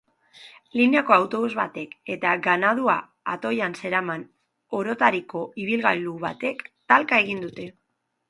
Lineako autobus batek eta ganadua atoian zeraman orotariko ibilgailu batek talka egin dute.